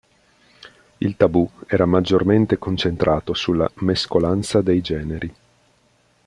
Il tabù era maggiormente concentrato sulla "mescolanza dei generi".